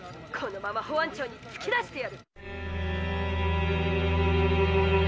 このまま保安庁につき出してやる！」。